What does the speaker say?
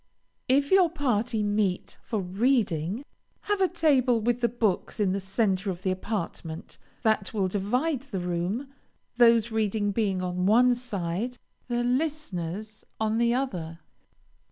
If your party meet for reading, have a table with the books in the centre of the apartment, that will divide the room, those reading being on one side, the listeners on the other.